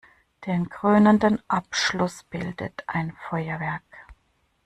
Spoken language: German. Den krönenden Abschluss bildet ein Feuerwerk.